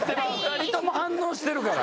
２人とも反応してるから。